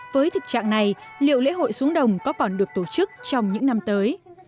với thực trạng này liệu lễ hội xuống đồng có còn được tổ chức trong những năm tới